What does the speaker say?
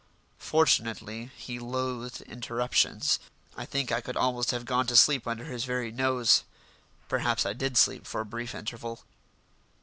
Fortunately, he loathed interruptions. I think I could almost have gone to sleep under his very nose; perhaps I did sleep for a brief interval.